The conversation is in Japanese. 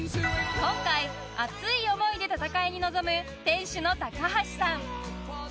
今回熱い思いで戦いに臨む店主の高橋さん。